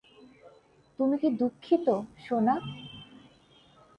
তুমি কি দুঃখিত, সোনা?